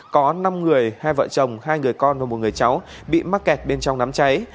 có năm người hai vợ chồng hai người con và một người cháu bị mắc kẹt bên trong đám cháy